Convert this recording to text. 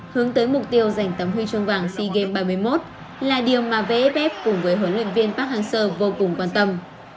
hướng tới mục tiêu giành tấm huy chương vàng sea games ba mươi một là điều mà vff cùng với huấn luyện viên park hang seo vô cùng quan tâm